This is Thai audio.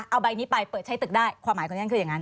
เอาใบนี้ไปเปิดใช้ตึกได้ความหมายของฉันคืออย่างนั้น